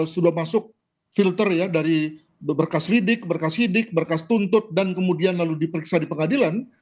sudah masuk filter ya dari berkas lidik berkas sidik berkas tuntut dan kemudian lalu diperiksa di pengadilan